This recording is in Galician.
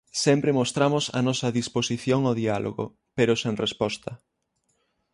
Sempre mostramos a nosa disposición ao diálogo, pero sen resposta.